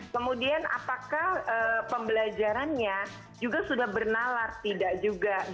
kemudian apakah pembelajarannya juga sudah bernalar tidak juga